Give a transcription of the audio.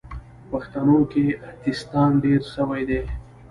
په پښتانو کې اتیستان ډیر سوې دي